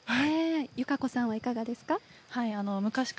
友香子さんはいかがですか？